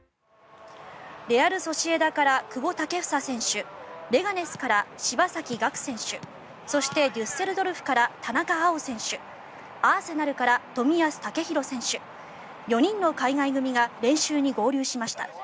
レアル・ソシエダから久保建英選手レガネスから柴崎岳選手そして、デュッセルドルフから田中碧選手アーセナルから冨安健洋選手４人の海外組が練習に合流しました。